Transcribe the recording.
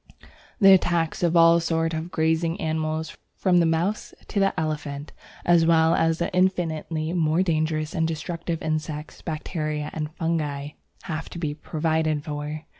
The attacks of all sorts of grazing animals, from the mouse to the elephant, as well as the infinitely more dangerous and destructive insects, bacteria, and fungi, have to be provided for.